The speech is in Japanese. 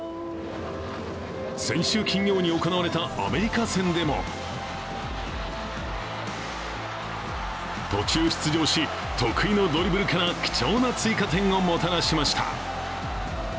先週金曜に行われたアメリカ戦でも途中出場し、得意のドリブルから貴重な追加点をもたらしました。